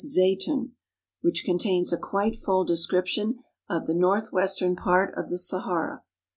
Zaytoun, which contains a quite full description of the northwestern part of the Sahara.